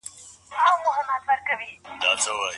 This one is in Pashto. پښتو عصري ژبه نه ده.